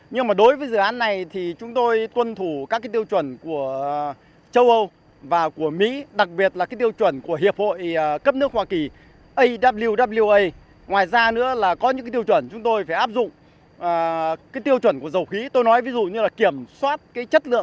nhưng mà đối với dự án này thì chúng tôi tuân thủ các cái tiêu chuẩn của châu âu và của mỹ